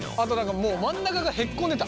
もう真ん中がへっこんでた。